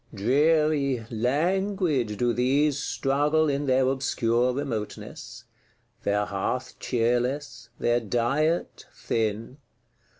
Dreary, languid do these struggle in their obscure remoteness; their hearth cheerless, their diet thin.